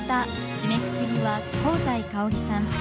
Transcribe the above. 締めくくりは香西かおりさん